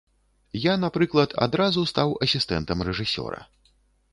Я, напрыклад, адразу стаў асістэнтам рэжысёра.